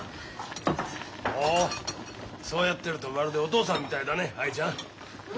おおそうやってるとまるでお父さんみたいだね藍ちゃん。